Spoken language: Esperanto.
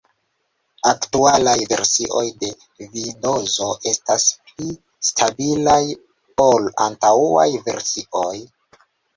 Aktualaj versioj de Vindozo estas pli stabilaj ol antaŭaj versioj.